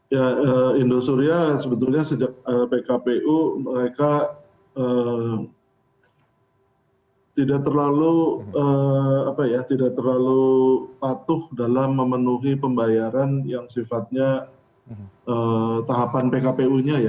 ya indosuria sebetulnya sejak pkpu mereka tidak terlalu patuh dalam memenuhi pembayaran yang sifatnya tahapan pkpu nya ya